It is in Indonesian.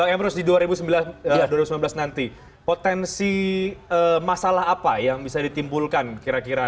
emrus di dua ribu sembilan belas nanti potensi masalah apa yang bisa ditimpulkan kira kira